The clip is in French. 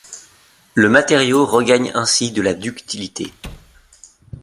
Le matériau regagne ainsi de la ductilité.